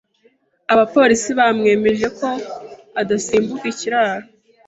Abapolisi bamwemeje ko adasimbuka ikiraro.